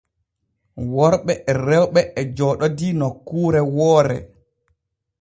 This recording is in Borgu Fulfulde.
Worɓe e rewɓe e jooɗodii nokkure woore.